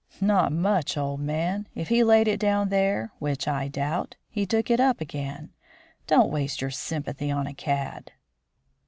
Not much, old man. If he laid it down there, which I doubt, he took it up again. Don't waste your sympathy on a cad."